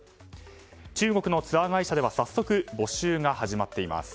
中国のツアー会社では早速、募集が始まっています。